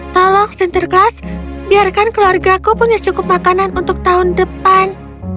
tolong sinterklas biarkan keluargaku punya cukup makanan untuk tahun depan